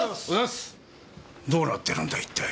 どうなってるんだ一体！？